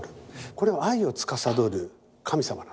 これは愛をつかさどる神様なんですね。